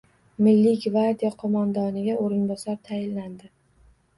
Milliy gvardiya qo‘mondoniga o‘rinbosar tayinlandi